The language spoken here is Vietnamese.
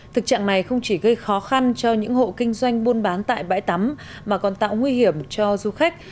thực trạng này không chỉ gây khó khăn cho những hộ kinh doanh buôn bán tại bãi tắm mà còn tạo nguy hiểm cho du khách